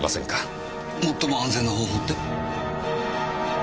最も安全な方法って？